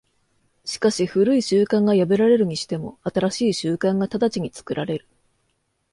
しかし旧い習慣が破られるにしても、新しい習慣が直ちに作られる。